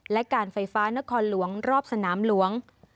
และการไฟฟ้านครหลวงรอบสนามหลวง